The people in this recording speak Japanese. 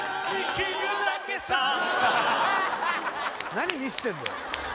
何みせてんだよ